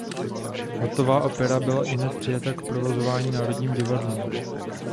Hotová opera byla ihned přijata k provozování Národním divadlem.